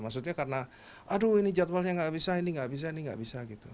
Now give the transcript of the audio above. maksudnya karena aduh ini jadwalnya nggak bisa ini nggak bisa ini nggak bisa gitu